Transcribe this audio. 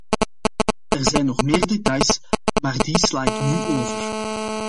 Er zijn nog meer details, maar die sla ik nu over.